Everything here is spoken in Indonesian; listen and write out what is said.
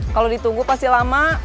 kalau ditunggu pasti lama